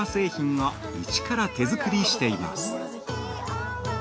◆はい。